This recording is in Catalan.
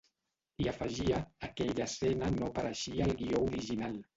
I afegia: Aquella escena no apareixia al guió original.